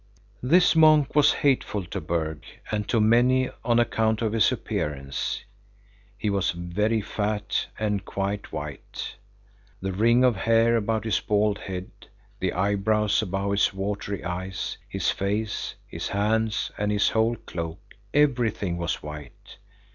This monk was hateful to Berg and to many on account of his appearance. He was very fat and quite white. The ring of hair about his bald head, the eyebrows above his watery eyes, his face, his hands and his whole cloak, everything was white.